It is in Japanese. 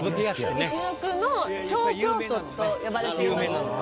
みちのくの小京都と呼ばれています。